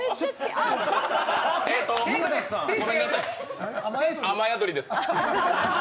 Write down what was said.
えーと、ごめんなさい、雨宿りですか？